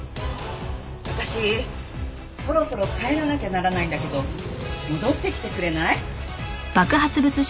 私そろそろ帰らなきゃならないんだけど戻ってきてくれない？